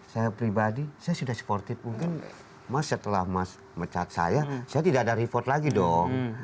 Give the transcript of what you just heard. saya pribadi saya sudah supportid mungkin mas setelah mas mecat saya saya tidak ada report lagi dong